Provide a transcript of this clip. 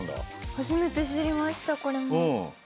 初めて知りましたこれも。